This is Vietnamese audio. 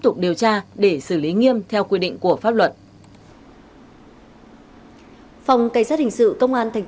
tục điều tra để xử lý nghiêm theo quy định của pháp luật phòng cảnh sát hình sự công an thành